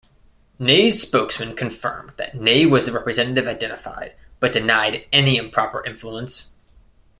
Ney's spokesman confirmed that Ney was the representative identified, but denied any improper influence.